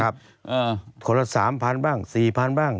ครับคนละ๓๐๐๐บ้าง๔๐๐๐บ้าง